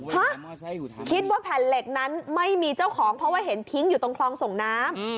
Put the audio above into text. คิดว่าแผ่นเหล็กนั้นไม่มีเจ้าของเพราะว่าเห็นพิ้งอยู่ตรงคลองส่งน้ำ